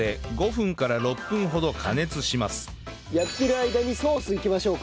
あとはやってる間にソースいきましょうか。